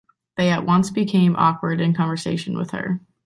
They at once became awkward in conversation with her.